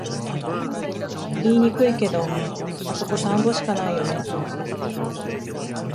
言いにくいけど、あそこ田んぼしかないよね